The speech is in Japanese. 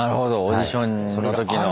オーディションの時の。